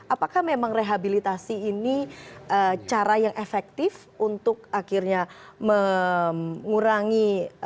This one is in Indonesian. apakah memang rehabilitasi ini cara yang efektif untuk akhirnya mengurangi